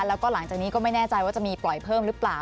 แล้วก็หลังจากนี้ก็ไม่แน่ใจว่าจะมีปล่อยเพิ่มหรือเปล่า